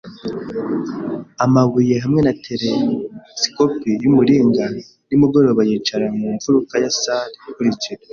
amabuye hamwe na telesikope y'umuringa; nimugoroba yicara mu mfuruka ya salle ikurikira